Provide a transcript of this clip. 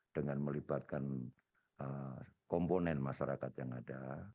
dengan melibatkan komponen masyarakat yang ada